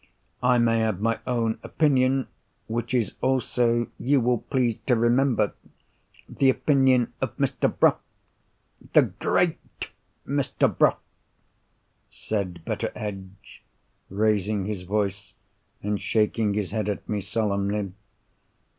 I may have my own opinion, which is also, you will please to remember, the opinion of Mr. Bruff—the Great Mr. Bruff!" said Betteredge, raising his voice, and shaking his head at me solemnly.